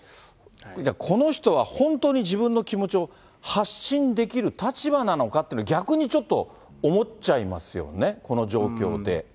じゃあ、この人は本当に自分の気持ちを発信できる立場なのかっていうのは逆にちょっと思っちゃいますよね、この状況で。